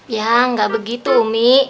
ya enggak begitu umi